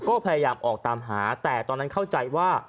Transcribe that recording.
ก็พยายามออกตามหาแต่ตอนนั้นเข้าใจว่า